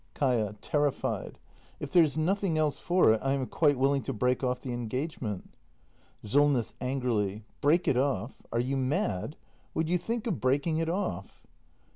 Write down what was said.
Kaia. [Terrified!] If there's nothing else for it, I am quite willing to break off the engagement. SOLNESS. [Angrily.] Break it off. Are you mad? Would you think of breaking it off?